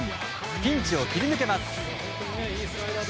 ピンチを切り抜けます。